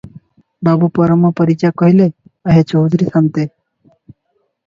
ବାବୁ ପରମ ପରିଜା କହିଲେ, "ଆହେ ଚୌଧୁରୀ ସାନ୍ତେ!